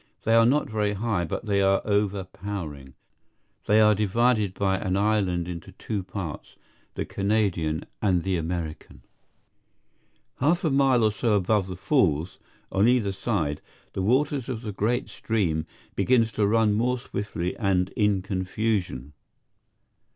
They are not very high, but they are overpowering. They are divided by an island into two parts, the Canadian and the American. Half a mile or so above the Falls, on either side, the water of the great stream begins to run more swiftly and in confusion.